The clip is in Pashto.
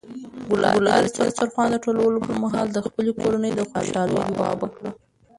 ګلالۍ د دسترخوان د ټولولو پر مهال د خپلې کورنۍ د خوشحالۍ دعا وکړه.